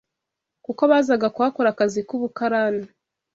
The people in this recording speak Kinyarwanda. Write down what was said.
kuko bazaga kuhakora akazi k’ubukarani